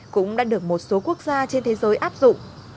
cũng đã được một số quốc gia trên thế giới áp dụng